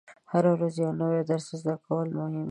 هره ورځ یو نوی درس زده کول مهم دي.